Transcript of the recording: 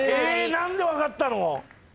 何で分かったの！？